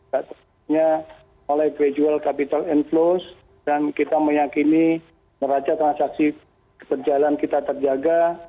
karena oleh gradual capital inflows dan kita meyakini meraca transaksi perjalanan kita terjaga